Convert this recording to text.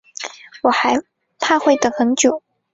我还怕会等很久